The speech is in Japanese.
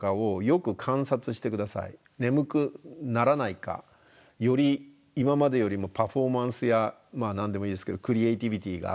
眠くならないかより今までよりもパフォーマンスや何でもいいですけどクリエイティビティが上がったか。